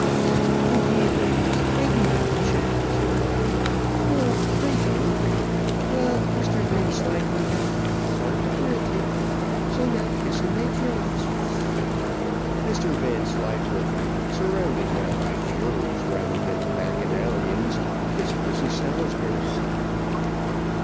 "Indeed, ladies, I do not wish it," said Moggy; "no, pray don't. Well, Mr Vanslyperken, pardon granted; so now kiss and make friends." Mr Vanslyperken, surrounded now by furies rather than Bacchanalians, kissed Mrs Salisbury.